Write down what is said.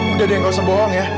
udah deh gak usah bohong ya